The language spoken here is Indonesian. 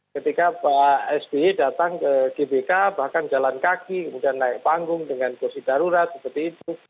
ketika pak sby datang ke gbk bahkan jalan kaki kemudian naik panggung dengan kursi darurat seperti itu